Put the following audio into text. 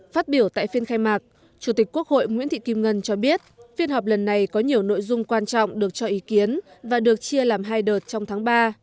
phát biểu tại phiên khai mạc chủ tịch quốc hội nguyễn thị kim ngân cho biết phiên họp lần này có nhiều nội dung quan trọng được cho ý kiến và được chia làm hai đợt trong tháng ba